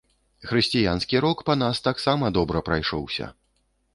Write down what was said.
Хрысціянскі рок па нас таксама добра прайшоўся!